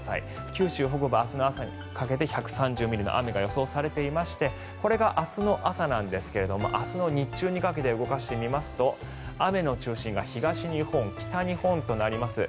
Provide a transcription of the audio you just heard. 九州北部、明日の朝にかけて１３０ミリの雨が予想されていましてこれが明日の朝なんですが明日の日中にかけて動かしてみますと雨の中心が東日本、北日本となります。